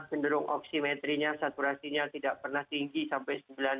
cenderung oksimetrinya saturasinya tidak pernah tinggi sampai sembilan puluh enam sembilan puluh tujuh